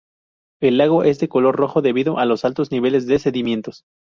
El lago es de color rojo debido a los altos niveles de sedimentos.